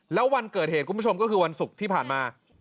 แล้ววันเกิดเหตุคุณผู้ชมก็คือวันศุกร์ที่ผ่านมา